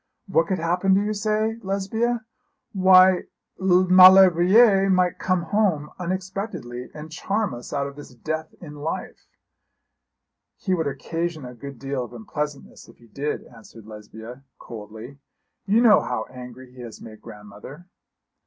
What could happen, do you say, Lesbia? Why Maulevrier might come home unexpectedly, and charm us out of this death in life.' 'He would occasion a good deal of unpleasantness if he did,' answered Lesbia, coldly. 'You know how angry he has made grandmother.'